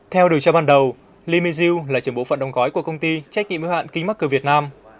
theo điều tra ban đầu li mingzhu là trưởng bộ phận đồng gói của công ty trách nhiệm ưu hạn kinh mắc cửa việt nam